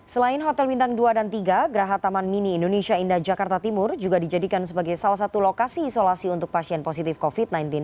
selain hotel bintang dua dan tiga geraha taman mini indonesia indah jakarta timur juga dijadikan sebagai salah satu lokasi isolasi untuk pasien positif covid sembilan belas